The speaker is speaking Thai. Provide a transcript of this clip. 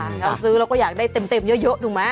เราซื้อเราก็อยากได้เต็มเยอะถูกไหม